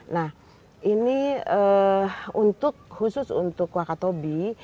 nah ini untuk khusus untuk wakatobi